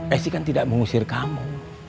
esy kan tidak mengusir kamu